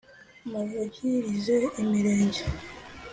muvugirize imirenge